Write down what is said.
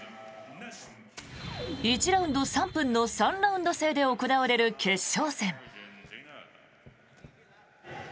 １ラウンド３分の３ラウンド制で行われる決勝戦。